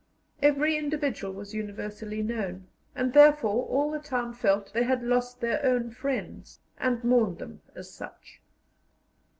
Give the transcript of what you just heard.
Every individual was universally known, and therefore all the town felt they had lost their own friends, and mourned them as such.